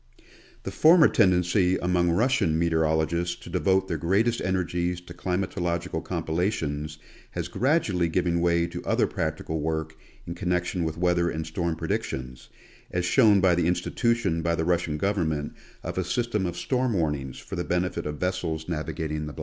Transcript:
The former tendency among Russian meteorologists to devote their greatest energies to climatological compilations has gradu ally given way to other practical work in connection with weather and storm predictions, as shown by the institution by the Rus sian government of a system of storm warnings for the benefit of vessels navigating the.